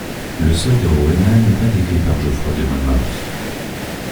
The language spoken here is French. Le sort de Rowena n'est pas décrit par Geoffroy de Monmouth.